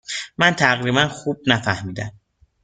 من تقریبا خوب نفهمیدم.